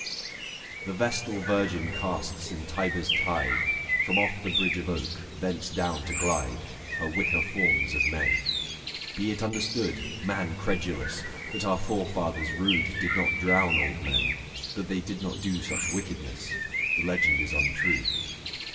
The vestal virgin casts in Tiber's tide, 705 From off the bridge of oak, thence down to glide, Her wicker forms of men. Be it understood, Man credulous ! that our forefathers rude Did not drown old men — that they did not do Such wickedness — the legend is untrue.